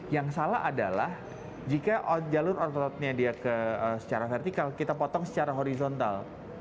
yang salah adalah jika jalur ototnya dia secara vertikal kita potong secara horizontal